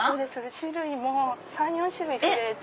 種類も３４種類増えて。